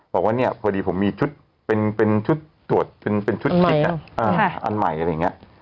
บอกว่าเนี่ยพอดีผมมีชุดเป็นชุดตรวจเป็นชุดคิดอันใหม่อะไรอย่างนี้